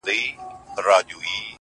یوه خولگۍ خو مسته!! راته جناب راکه!!